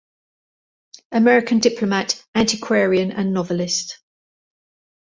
American diplomat, antiquarian and novelist.